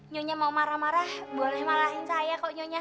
nyonya mau marah marah boleh malahin saya kok nyonya